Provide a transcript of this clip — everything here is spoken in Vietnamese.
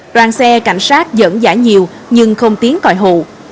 đoàn xe cảnh sát dẫn dã nhiều nhưng không tiến còi hụ